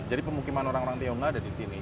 jadi pemukiman orang orang tionghoa ada di sini